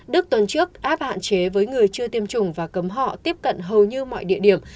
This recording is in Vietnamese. đức tuần trước app hạn chế với người chưa tiêm chủng và cấm họ tiếp cận hầu như mọi địa điểm